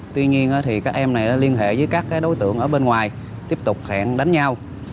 tuy nhiên thì các em này liên hệ với các đối tượng ở bên ngoài tiếp tục hẹn đánh nhau